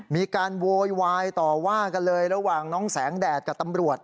โวยวายต่อว่ากันเลยระหว่างน้องแสงแดดกับตำรวจ